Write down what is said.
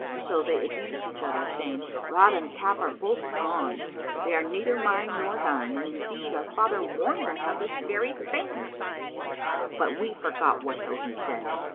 So they abused each other, saying, "Rod and Cap are both gone; they are neither mine nor thine: and indeed our father warned us of this very thing; but we forgot whatso he said."